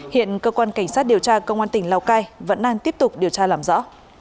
hiện cơ quan cảnh sát điều tra công an tỉnh lào cai vẫn đang tiếp tục điều tra làm rõ